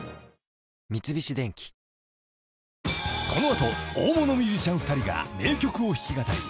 三菱電機［この後大物ミュージシャン２人が名曲を弾き語り］